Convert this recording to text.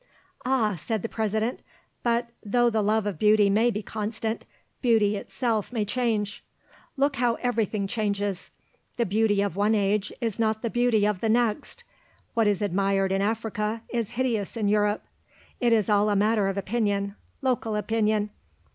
"Ah," said the President, "but, though the love of beauty may be constant, beauty itself may change. Look how everything changes: the beauty of one age is not the beauty of the next; what is admired in Africa is hideous in Europe. It is all a matter of opinion, local opinion.